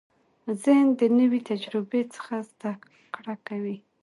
ذهن د نوې تجربې څخه زده کړه کوي.